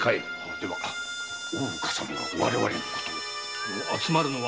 では大岡様が我々のことを？